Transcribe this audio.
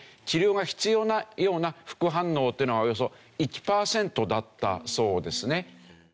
治療が必要なような副反応っていうのはおよそ１パーセントだったそうですね。